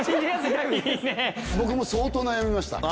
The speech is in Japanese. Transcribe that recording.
相当悩みました？